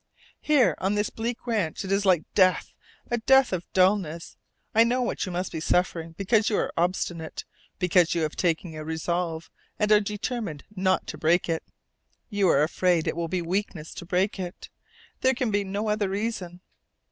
"Here, on this bleak ranch, it is like death a death of dullness. I know what you must be suffering because you are obstinate, because you have taken a resolve, and are determined not to break it. You are afraid it will be weakness to break it. There can be no other reason.